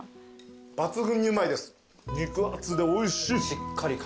抜群にうまいです肉厚でおいしい。